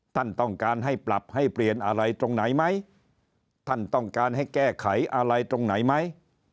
ท่านต้องการให้ปรับให้เปลี่ยนอะไรตรงไหนไหมท่านต้องการให้แก้ไขอะไรตรงไหนไหม